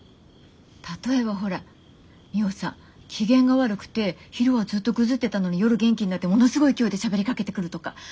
例えばほらミホさん機嫌が悪くて昼はずっとグズってたのに夜元気になってものすごい勢いでしゃべりかけてくるとか。